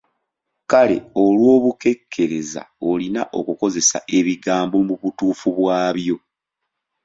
Kale olw'obukekkereza olina okukozesa ebigambo mu butuufu bwabyo.